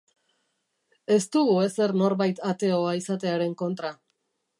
Ez dugu ezer norbait ateoa izatearen kontra.